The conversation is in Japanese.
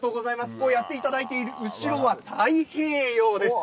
こうやっていただいている後ろは太平洋です。